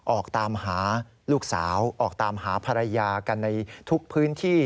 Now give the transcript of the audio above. ออกตามหาลูกสาวออกตามหาภรรยากันในทุกพื้นที่